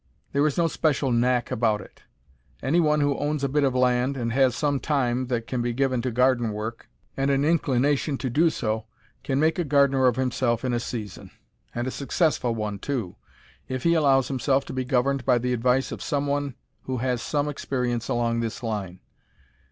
There is no special "knack" about it. Any one who owns a bit of land, and has some time that can be given to garden work, and an inclination to do so, can make a gardener of himself in a season and a successful one, too if he allows himself to be governed by the advice of some one who has had some experience along this line.